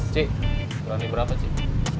cik berani berapa cik